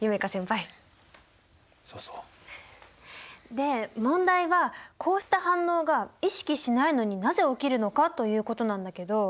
で問題はこうした反応が意識しないのになぜ起きるのかということなんだけど。